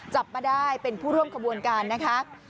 จับมาได้เป็นผู้ร่วมขบวนการนะคะ